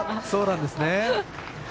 そうなんですね。